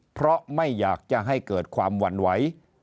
เพราะไม่อยากจะให้เกิดความหวั่นไหว